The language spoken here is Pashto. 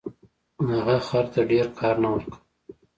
هغه خر ته ډیر کار نه ورکاوه.